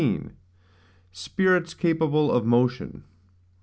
19. Spirits capable of Motion.